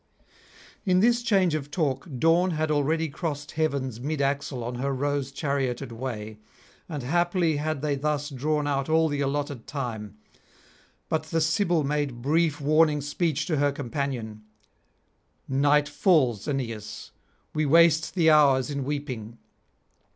In this change of talk Dawn had already crossed heaven's mid axle on her rose charioted way; and haply had they thus drawn out all the allotted time; but the Sibyl made brief warning speech to her companion: 'Night falls, Aeneas; we waste the hours in weeping.